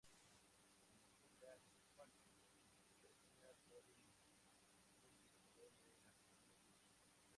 La mascota, "Sparky", está diseñada por un ilustrador de la compañía Disney.